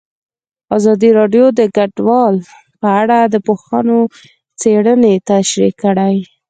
ازادي راډیو د کډوال په اړه د پوهانو څېړنې تشریح کړې.